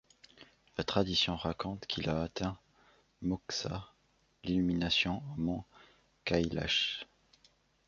La tradition raconte qu'il a atteint moksha, l'illumination au Mont Kailash.